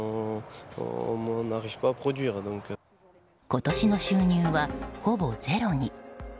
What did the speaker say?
今年の収入は、ほぼゼロに。